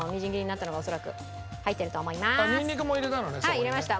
はい入れました。